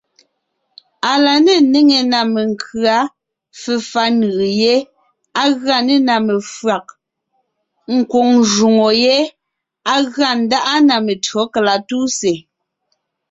Á la néŋe ná menkʉ̌a, fefà nʉʼʉ yé, á gʉa nê na mefÿàg, kwóŋ jwóŋo yé á gʉa ńdáʼa na metÿǒ kalatúsè.